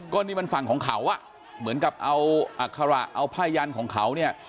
ก็นี่มันฝั่งของเขาอ่ะเหมือนกับเอาอัคระเอาผ้ายันของเขาเนี่ย